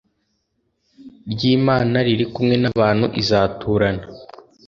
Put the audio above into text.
ry’Imana riri kumwe n’abantu Izaturan